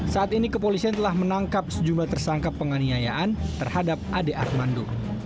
saat ini kepolisian telah menangkap sejumlah tersangka penganiayaan terhadap ade armando